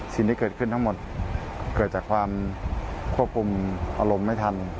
สิ่งที่เกิดขึ้นทั้งหมดเกิดจากความควบคุมอารมณ์ไม่ทัน